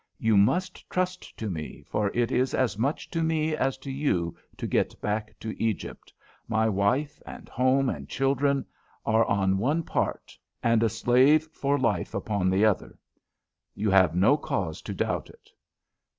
"You must trust to me, for it is as much to me as to you to get back to Egypt. My wife and home, and children, are on one part, and a slave for life upon the other. You have no cause to doubt it."